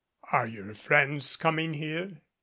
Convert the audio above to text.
"Are your friends coming here